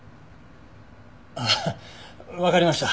ああわかりました。